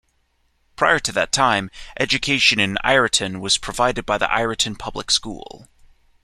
Prior to that time, education in Ireton was provided by the Ireton Public School.